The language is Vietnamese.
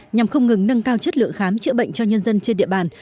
nhằm không ngừng nâng cao chất lượng khám chữa bệnh cho nhân dân trên địa bàn